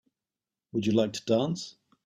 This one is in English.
Would you like to dance?